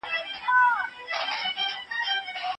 اړوند